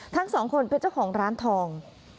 ทั้งสองคนเป็นเจ้าของร้านทอง